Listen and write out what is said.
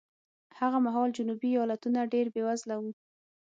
هغه مهال جنوبي ایالتونه ډېر بېوزله وو.